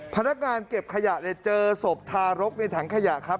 พนักงานเก็บขยะเนี่ยเจอศพทารกในถังขยะครับ